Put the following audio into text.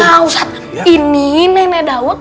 nah ustad ini nenek daud